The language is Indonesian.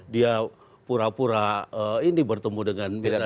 dia pura pura bertemu dengan